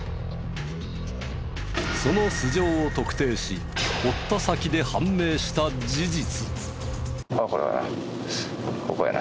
その素性を特定し追った先で判明した事実。